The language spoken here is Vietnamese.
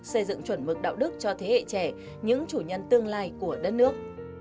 xây dựng chuẩn mực đạo đức cho thế hệ trẻ những chủ nhân tương lai của đất nước